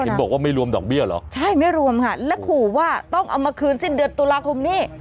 บอกว่าไม่รวมดอกเบี้ยเหรอใช่ไม่รวมค่ะและขู่ว่าต้องเอามาคืนสิ้นเดือนตุลาคมนี้